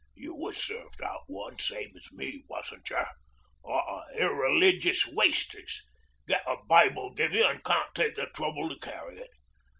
"You was served out one same as me, wasn't you? Lot o' irreligious wasters! Get a Bible give you an' can't take the trouble to carry it.